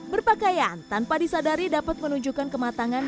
berpakaian tanpa disadari dapat menunjukkan kematangan